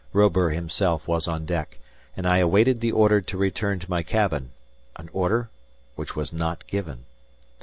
Robur himself was on deck, and I awaited the order to return to my cabin—an order which was not given.